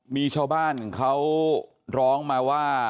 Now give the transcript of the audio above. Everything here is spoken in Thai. มีชาวบ้านเขาร้องมาว่า